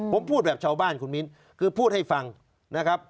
ผมพูดแบบชาวบ้านคุณมิ้นคือพูดให้ฟังนะครับ